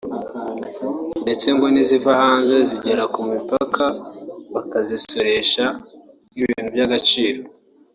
ndetse ngo n’iziva hanze zigera ku mipaka bakazisoresha nk’ibintu by’agaciro